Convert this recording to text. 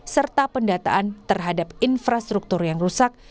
serta pendataan terhadap infrastruktur yang rusak